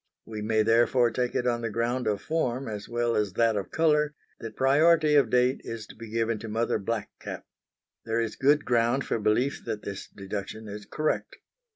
We may therefore take it on the ground of form as well as that of colour that priority of date is to be given to Mother Black Cap. There is good ground for belief that this deduction is correct.